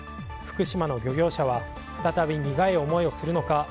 福島の漁業者は再び苦い思いをするのか？